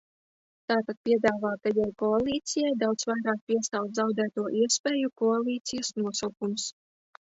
Tātad piedāvātajai koalīcijai daudz vairāk piestāv zaudēto iespēju koalīcijas nosaukums.